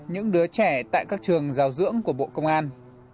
những đứa trẻ tại các trường giáo dưỡng của bộ công an